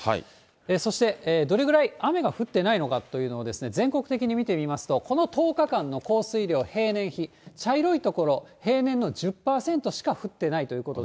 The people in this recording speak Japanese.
そしてどれぐらい雨が降ってないのかというのを全国的に見てみますと、この１０日間の降水量、平年比、茶色い所、平年の１０％しか降ってないということで。